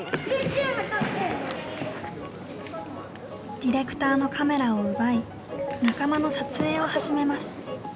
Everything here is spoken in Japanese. ディレクターのカメラを奪い仲間の撮影を始めます。